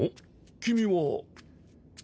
君は？